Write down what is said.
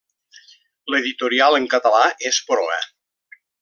L'editorial en català és Proa.